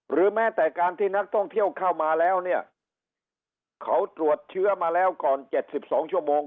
แม้แต่การที่นักท่องเที่ยวเข้ามาแล้วเนี่ยเขาตรวจเชื้อมาแล้วก่อน๗๒ชั่วโมง